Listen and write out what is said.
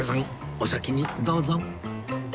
お先にどうぞ